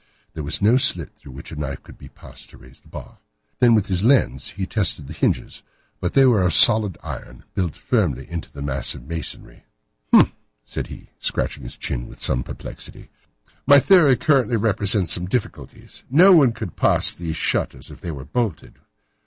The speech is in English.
There was no slit through which a knife could be passed to raise the bar. Then with his lens he tested the hinges, but they were of solid iron, built firmly into the massive masonry. "Hum!" said he, scratching his chin in some perplexity, "my theory certainly presents some difficulties. No one could pass these shutters if they were bolted.